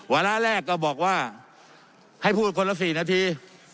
วาระแรกก็บอกว่าให้พูดคนละ๔นาที